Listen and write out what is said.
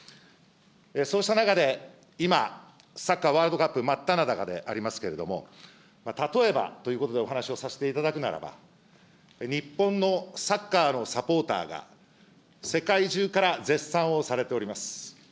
そうした中で今、サッカーワールドカップ真っただ中でありますけれども、例えばということでお話をさせていただくならば、日本のサッカーのサポーターが世界中から絶賛をされております。